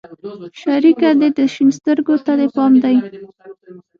شريکه دې شين سترگو ته دې پام دى.